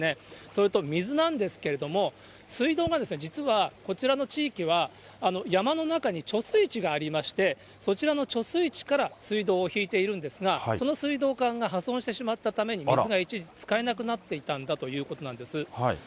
それと水なんですけれども、水道が実はこちらの地域は、山の中に貯水池がありまして、そちらの貯水池から水道を引いているんですが、その水道管が破損してしまったために水が一時、使えなくなっていたんだということなんです。